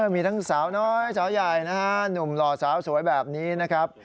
มีทั้งสาวน้อยสาวใหญ่นะฮะหนุ่มหล่อสาวสวยแบบนี้นะครับ